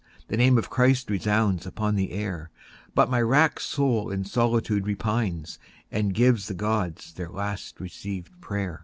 The name of Christ resounds upon the air. But my wrack'd soul in solitude repines And gives the Gods their last receivèd pray'r.